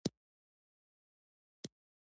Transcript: د مجاهدینو شمېر دریو سوو ته رسېدی.